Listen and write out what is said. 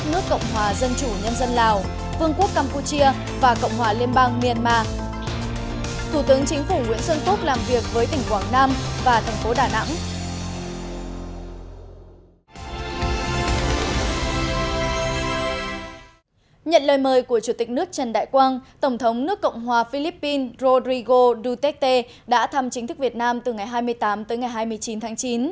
nhận lời mời của chủ tịch nước trần đại quang tổng thống nước cộng hòa philippines rodrigo duterte đã thăm chính thức việt nam từ ngày hai mươi tám tới ngày hai mươi chín tháng chín